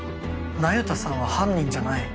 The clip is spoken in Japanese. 那由他さんは犯人じゃない。